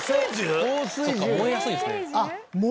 そっか燃えやすいんですね。